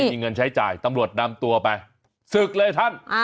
มีเงินใช้จ่ายตำรวจนำตัวไปศึกเลยท่าน